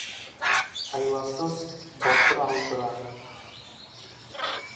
Айласыз батыр алдырар.